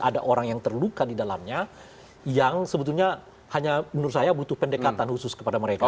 ada orang yang terluka di dalamnya yang sebetulnya hanya menurut saya butuh pendekatan khusus kepada mereka